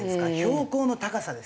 標高の高さです。